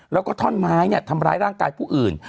แล้วก็ท่อนไม้ทำร้ายร่างกายผู้อื่น